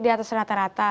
di atas rata rata